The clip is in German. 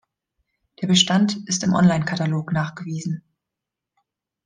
Der Bestand ist im Online-Katalog nachgewiesen.